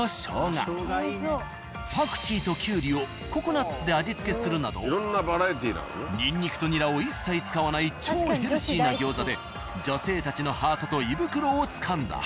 パクチーときゅうりをココナッツで味付けするなどニンニクとニラを一切使わない超ヘルシーな餃子で女性たちのハートと胃袋をつかんだ。